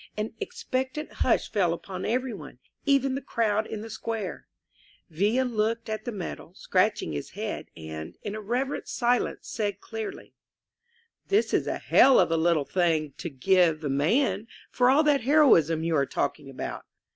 An expectant hush fell upon every one, even the crowd in the square. Villa looked at the medal, scratching his head, and, in a reverent silence, said clearly: "This is a hell of a little thing to give 115 INSURGENT MEXICO a man for all that heroism you are talking about!"